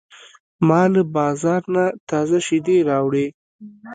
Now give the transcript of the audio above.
ما له بازار نه تازه شیدې راوړې.